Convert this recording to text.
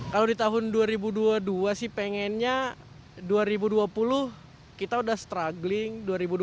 kalau di tahun dua ribu dua puluh dua sih pengennya dua ribu dua puluh kita udah struggling